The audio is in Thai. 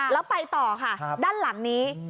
แล้วไปต่อค่ะด้านหลังนี้